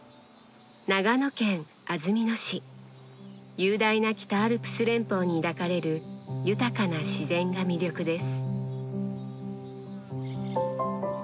雄大な北アルプス連峰に抱かれる豊かな自然が魅力です。